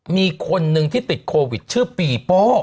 มีคนนึงที่ติดโควิดชื่อปีโป้